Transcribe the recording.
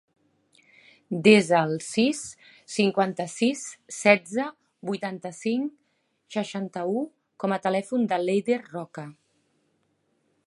Desa el sis, cinquanta-sis, setze, vuitanta-cinc, seixanta-u com a telèfon de l'Eider Roca.